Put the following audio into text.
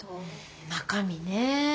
中身ねぇ。